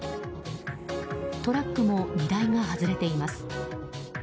トラックも荷台が外れています。